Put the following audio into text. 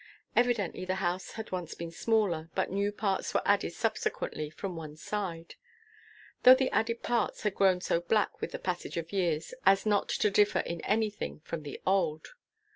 Evidently the house had once been smaller, but new parts were added subsequently from one side, though the added parts had grown so black with the passage of years as not to differ in anything from the old.